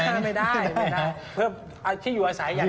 ไม่ได้ไม่ได้เพื่อที่อยู่อาศัยอย่างเดียว